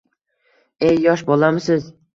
Ey, yosh bolamisiz